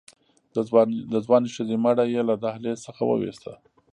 د ځوانې ښځې مړی يې له دهلېز څخه ووېسته.